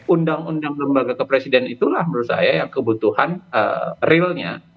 undang undang lembaga kepresiden itulah menurut saya yang kebutuhan realnya